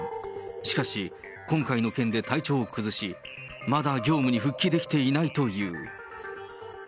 しかし、今回の件で体調を崩し、まだ業務に復帰できていないという。